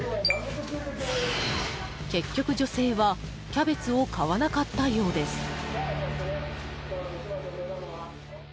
結局、女性はキャベツを買わなかったようです。